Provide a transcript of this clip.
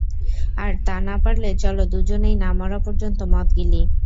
আর তা না পারলে চলো দুজনেই না মরা পর্যন্ত মদ গিলি!